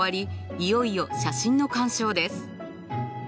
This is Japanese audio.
いよいよ写真の鑑賞です。